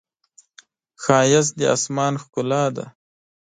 ښایست د آسمان ښکلا ده